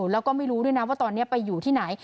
แล้วก็ไม่รู้ด้วยนะว่าตอนนี้ไปอยู่ที่ไหน